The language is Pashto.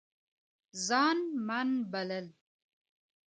ځان من بلل